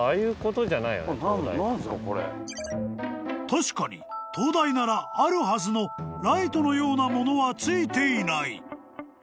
［確かに灯台ならあるはずのライトのようなものはついていない］